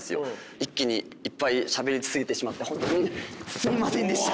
一気にいっぱいしゃべり過ぎてしまってすいませんでした。